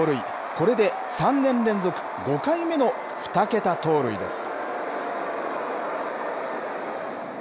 これで、３年連続５回目の２桁盗塁です。